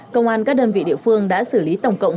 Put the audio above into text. công an các đơn vị địa phương đã xử lý tổng cộng